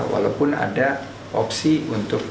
walaupun ada opsi untuk